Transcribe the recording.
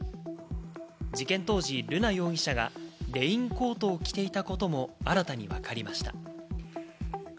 事件当時、瑠奈容疑者がレインコートを着ていたことも新たにわかりました。